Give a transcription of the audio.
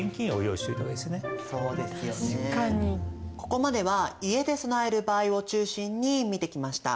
ここまでは家で備える場合を中心に見てきました。